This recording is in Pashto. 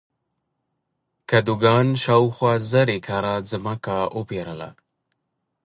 کادوګان شاوخوا زر ایکره ځمکه وپېرله.